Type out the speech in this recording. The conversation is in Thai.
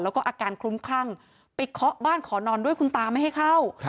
แล้วก็อาการคลุ้มคลั่งไปเคาะบ้านขอนอนด้วยคุณตาไม่ให้เข้า